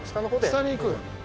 下に行く。